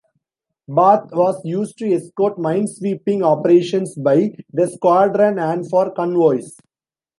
"Bath" was used to escort minesweeping operations by the squadron and for convoys.